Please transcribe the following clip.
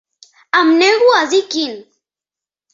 Em nego a dir quin!